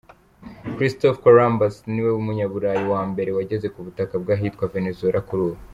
Christophe Columbus, niwe munyaburayi wa mbere wageze ku butaka bw’ahitwa Venezuela kuri ubu.